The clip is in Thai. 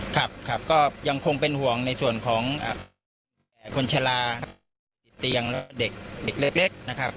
ครับครับก็ยังคงเป็นห่วงในส่วนของคนชะลาติดเตียงและเด็กเล็กนะครับ